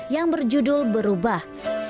yang berjudul berubah